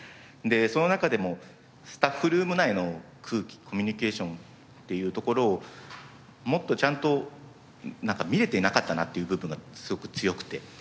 その中でもスタッフルーム内の空気コミュニケーションというところをもっとちゃんと見られていなかったなという部分がすごく強くて。